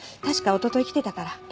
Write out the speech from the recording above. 確かおととい来てたから。